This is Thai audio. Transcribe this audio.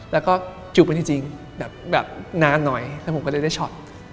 แล้วก็จูบไปจริงแบบนานหน่อยแล้วผมก็เลยได้ช็อต